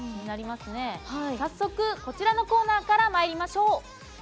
早速こちらのコーナーからまいりましょう。